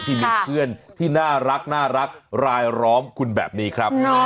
ที่มีเพื่อนที่น่ารักรายล้อมคุณแบบนี้ครับ